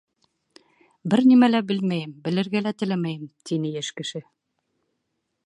— Бер нимә лә белмәйем, белергә лә теләмәйем, — тине йәш кеше.